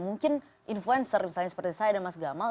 mungkin influencer misalnya seperti saya dan mas gamal